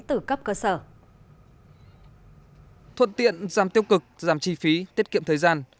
thuận tiện giảm tiêu cực giảm chi phí tiết kiệm thời gian